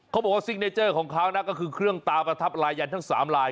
บอกว่าซิกเนเจอร์ของเขานะก็คือเครื่องตาประทับลายยันทั้ง๓ลาย